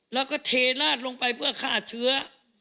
แล้วก็เทราดลงไปเพื่อฆ่าเชื้อ